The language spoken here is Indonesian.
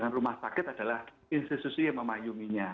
dan rumah sakit adalah institusi yang memayunginya